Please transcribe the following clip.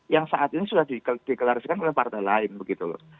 yang saat ini sudah dideklarasikan oleh partai lain begitu loh